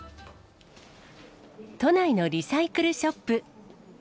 都内のリサイクルショップ。